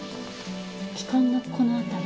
気管のこのあたり。